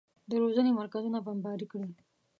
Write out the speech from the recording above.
د روزنې مرکزونه بمباري کړي.